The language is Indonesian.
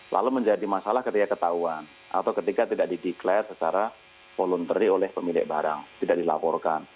lalu menjadi masalah ketika ketahuan atau ketika tidak dideklarasi secara voluntary oleh pemilik barang tidak dilaporkan